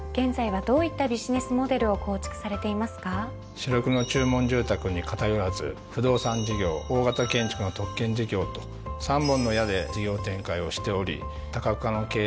主力の注文住宅に偏らず不動産事業大型建築の特建事業と３本の矢で事業展開をしており多角化の経営でですね